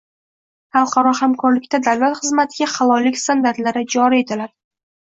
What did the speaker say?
Xalqaro hamkorlikda davlat xizmatiga halollik standartlari joriy etilading